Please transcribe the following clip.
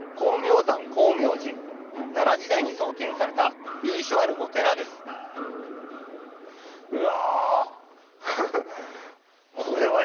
奈良時代に創建された由緒あるお寺ですうわぁフフ。